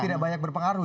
tidak banyak berpengaruh